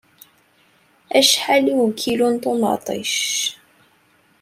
Acḥal i ukilu n ṭumaṭic?